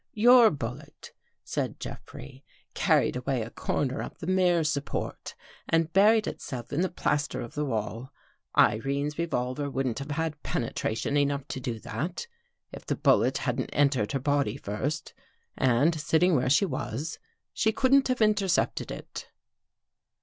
" Your bullet," said Jeffrey, " carried away a corner of the mirror support and buried itself in the plaster in the wall. Irene's revolver wouldn't have had penetration enough to do that, if the bul let had entered her body first. And sitting where she was, she couldn't have intercepted it."